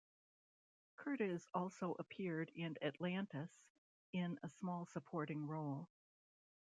Curtiz also appeared in "Atlantis" in a small supporting role.